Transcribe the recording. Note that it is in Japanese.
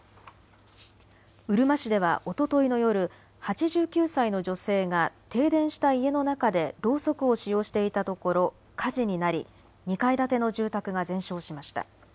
うるま市ではおとといの夜、８９歳の女性が停電した家の中でろうそくを使用していたところ火事になり２階建ての住宅が全焼しました。